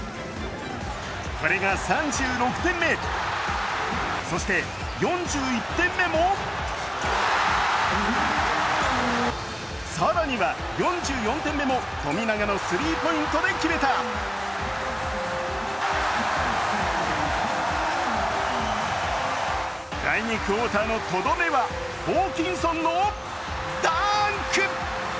これが３６点目、そして４１点目も更には４４点目も富永のスリーポイントで決めた第２クオーターのとどめは、ホーキンソンのダンク！